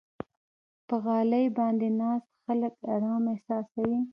په غالۍ باندې ناست خلک آرام احساسوي.